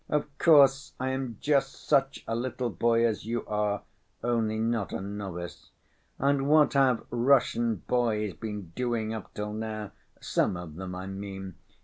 Of course I am just such a little boy as you are, only not a novice. And what have Russian boys been doing up till now, some of them, I mean?